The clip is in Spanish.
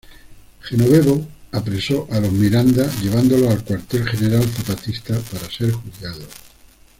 Genovevo apresó a los Miranda, llevándolos al cuartel general zapatista para ser juzgados.